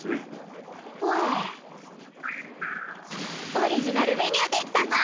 オリジナルメニュー出来たぞ。